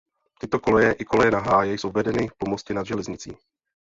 Tyto koleje i koleje na Háje jsou vedeny po mostě nad železnicí.